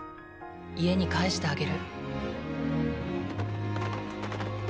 家に帰してあげる。